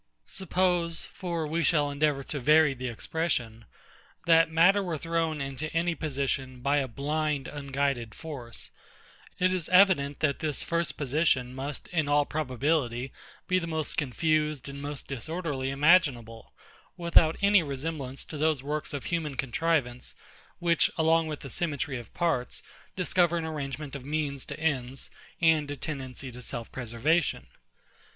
Suppose (for we shall endeavour to vary the expression), that matter were thrown into any position, by a blind, unguided force; it is evident that this first position must, in all probability, be the most confused and most disorderly imaginable, without any resemblance to those works of human contrivance, which, along with a symmetry of parts, discover an adjustment of means to ends, and a tendency to self preservation.